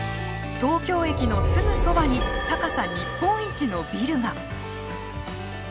東京駅のすぐそばに高さ日本一のビルが。